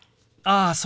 ああ